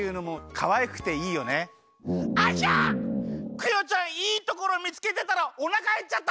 クヨちゃんいいところ見つけてたらおなかへっちゃった！